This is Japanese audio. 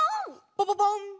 ポポポン！